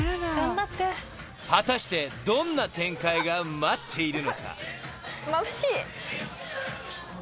［果たしてどんな展開が待っているのか］